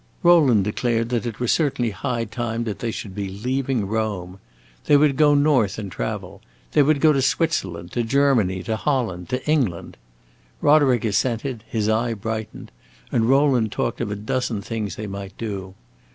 Rowland declared that it was certainly high time they should be leaving Rome. They would go north and travel. They would go to Switzerland, to Germany, to Holland, to England. Roderick assented, his eye brightened, and Rowland talked of a dozen things they might do.